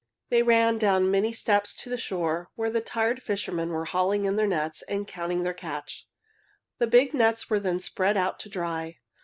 They ran down the many steps to the shore, where the tired fishermen were hauling in their nets and counting their catch. The big nets were then spread out to dry.